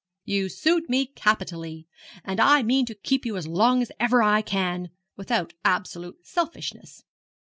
You suit me capitally, and I mean to keep you as long as ever I can, without absolute selfishness.